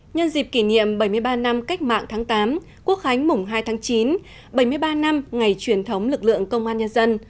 nhân dịp kỷ niệm bảy mươi ba năm cách mạng tháng tám quốc khánh mùng hai tháng chín bảy mươi ba năm ngày truyền thống lực lượng công an nhân dân